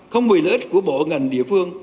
không vì lợi ích của bộ ngành địa phương